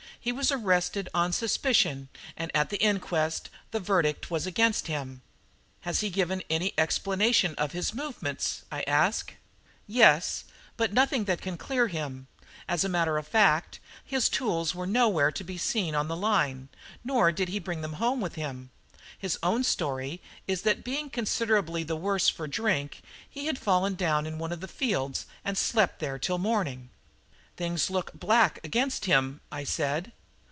He was arrested on suspicion, and at the inquest the verdict was against him." "Has he given any explanation of his own movements?" I asked. "Yes; but nothing that can clear him. As a matter of fact, his tools were nowhere to be seen on the line, nor did he bring them home with him. His own story is that being considerably the worse for drink, he had fallen down in one of the fields and slept there till morning." "Things look black against him," I said.